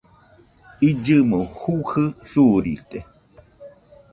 Illɨmo jujɨ suurite